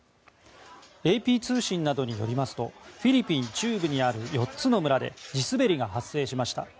ＡＰ通信などによりますとフィリピン中部にある４つの村で地滑りが発生しました。